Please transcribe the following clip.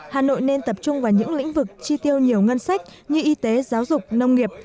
hà nội nên tập trung vào những lĩnh vực chi tiêu nhiều ngân sách như y tế giáo dục nông nghiệp